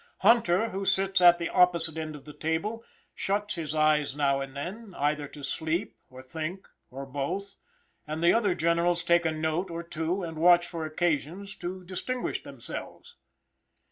Hunter, who sits at the opposite end of the table, shuts his eyes now and then, either to sleep or think, or both, and the other generals take a note or two, and watch for occasions to distinguish themselves.